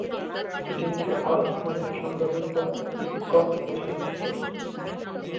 এটি একটি অলাভজনক সংগঠন যা ইসকন থেকে স্বতন্ত্র।